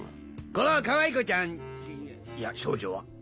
このかわい子ちゃんいや少女は？